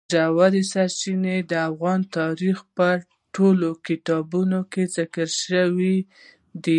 ژورې سرچینې د افغان تاریخ په ټولو کتابونو کې ذکر شوي دي.